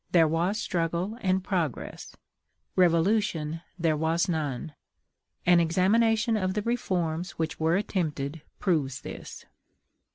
So, in 1789, there was struggle and progress; revolution there was none. An examination of the reforms which were attempted proves this.